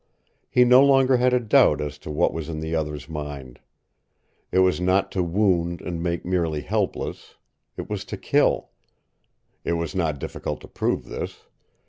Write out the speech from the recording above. He no longer had a doubt as to what was in the other's mind. It was not to wound and make merely helpless. It was to kill. It was not difficult to prove this.